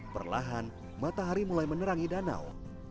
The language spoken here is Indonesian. perlahan matahari mulai menerangi danau